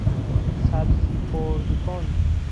سبزی خرد کن